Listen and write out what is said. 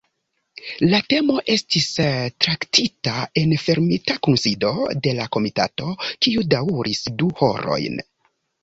La temo estis traktita en fermita kunsido de la komitato, kiu daŭris du horojn.